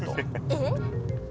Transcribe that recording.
えっ？